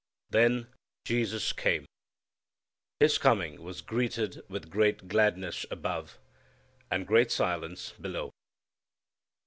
Then Jesus came. His coming was greeted with great gladness above, and great silence below.